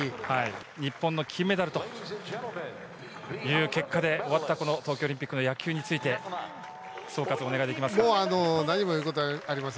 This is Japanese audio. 日本の金メダル、こういう結果で終わった東京オリンピックの野球について総括をおもう何も言うことありません。